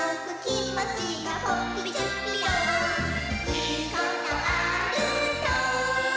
「いいことあると」